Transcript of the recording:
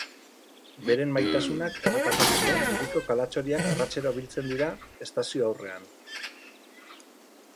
Beren maitasunak errepasatzeko, hiriko kalatxoriak arratsero biltzen dira estazio aurrean.